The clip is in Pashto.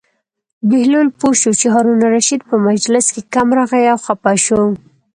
بهلول پوه شو چې هارون الرشید په مجلس کې کم راغی او خپه شو.